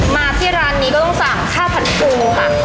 มาที่ร้านนี้ก็ต้องสั่งข้าวผัดปูค่ะ